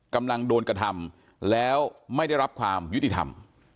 กำลังโดนกระทำแล้วไม่ได้รับความยุติธรรม